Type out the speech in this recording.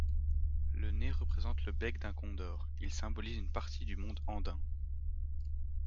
Le nez représente le bec d'un condor, il symbolise une partie du monde andin.